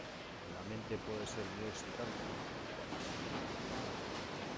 la mente puede ser muy excitante cuando uno tiene miedo.